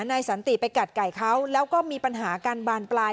สันติไปกัดไก่เขาแล้วก็มีปัญหาการบานปลาย